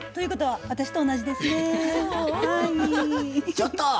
ちょっと！